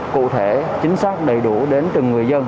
cụ thể chính xác đầy đủ đến từng người dân